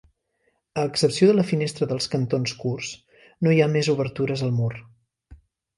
A excepció de la finestra dels cantons curts, no hi ha més obertures al mur.